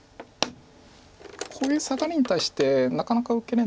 こういうサガリに対してなかなか受けれないんですよね。